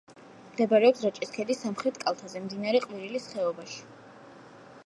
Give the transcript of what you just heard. მდებარეობს რაჭის ქედის სამხრეთ კალთაზე, მდინარე ყვირილის ხეობაში.